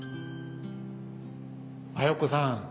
綾子さん！